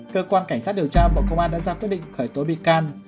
cơ quan cảnh sát điều tra bộ công an đã ra quyết định khởi tố bị can